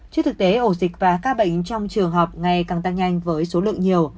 trước thực tế ổ dịch và ca bệnh trong trường học ngày càng tăng nhanh với số lượng nhiều